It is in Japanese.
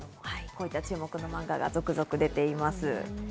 こういった注目のマンガが続々と出ています。